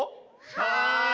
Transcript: はい。